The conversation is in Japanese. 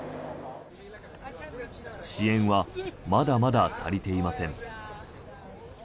支援はまだまだ足りていません。